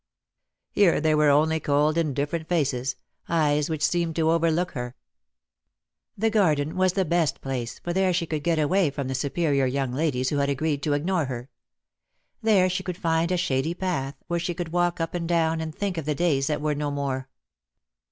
Here there were only cold indifferent faces, eyes which seemed to overlook her. Lost for Love. 187 The garden was the best place, for there she could get away from the superior young ladies who had agreed to ignore her. There she could find a shady path, where she could walk up and down, and think of the days that were no more.